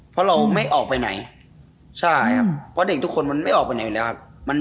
เพราะเราไม่ออกไปไหนใช่ครับเพราะเด็กทุกคนมันไม่ออกไปไหนอยู่แล้วครับ